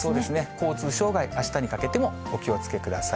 交通障害、あしたにかけてもお気をつけください。